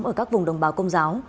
ở các vùng đồng bào công giáo